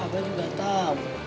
abah juga tahu